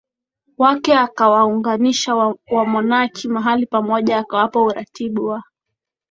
wake akawaunganisha wamonaki mahali pamoja akawapa utaratibu wa